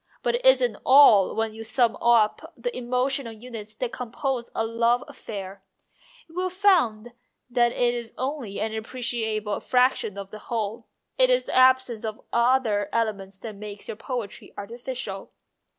But it isn't all when you sum up the emotional units that compose a love affair, you will find that it is only an appreciable fraction of the whole. It is the absence of the other elements that makes your poetry artificial."